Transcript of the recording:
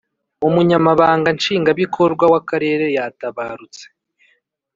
Umunyamabanga Nshingabikorwa w Akarere yatabarutse